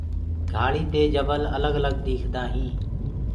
گھآݪدي دي جبل الگ الگ ديکدآ هينٚ۔